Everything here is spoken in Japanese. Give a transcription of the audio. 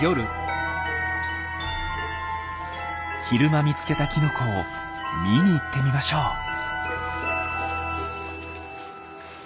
昼間見つけたきのこを見に行ってみましょう。